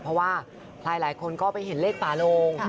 เพราะว่าหลายคนก็ไปเห็นเลขฝาโลง